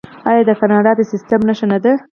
آیا دا د کاناډا د سیستم نښه نه ده؟